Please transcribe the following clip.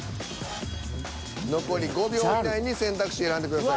残り５秒以内に選択肢選んでください。